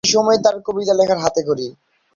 এই সময়েই তাঁর কবিতা লেখার হাতেখড়ি।